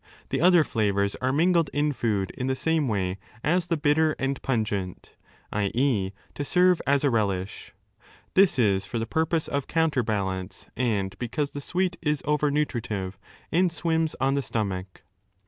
The other flavours are mingled in food in the same way as the bitter and pungent, i.e. to serve as a relish. This is for the purpose of counterbalance, and because the sweet is over nutridve and swims on the stomach.